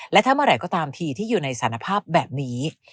และทำอะไรก็ตามทีที่อยู่ในสารภาพแบบนี้